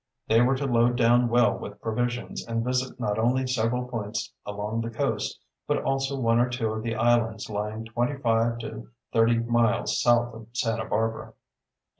They were to load down well with provisions and visit not only several points along the coast, but also one or two of the islands lying twenty five to thirty miles south of Santa Barbara.